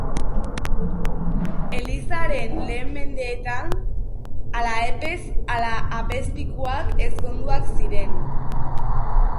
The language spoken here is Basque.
Elizaren lehen mendeetan, ala apez ala apezpikuak ezkonduak ziren.